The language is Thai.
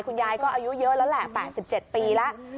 คุณยายก็อายุเยอะแล้วแหละ๘๗ปีแล้ว